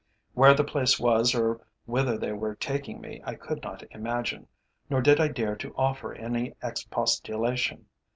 Where the place was or whither they were taking me, I could not imagine, nor did I dare to offer any expostulation.